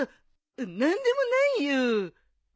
何でもないよ。